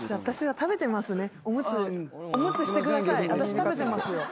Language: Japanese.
私食べてます」！？